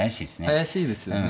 怪しいですよね。